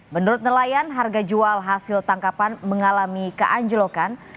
menurut nelayan harga jual hasil tangkapan mengalami keanjelokan